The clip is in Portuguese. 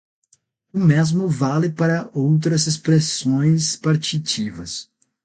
O mesmo vale para outras expressões partitivas